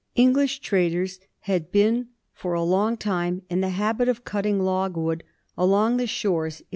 English traders had been for a long time in the habit of cutting logwood along the shores in the Bay of VOL.